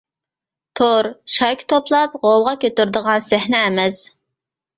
تور-شايكا توپلاپ غوۋغا كۆتۈرىدىغان سەھنە ئەمەس.